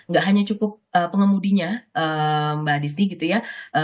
karena gak hanya cukup pengemudinya mbak risti gitu ya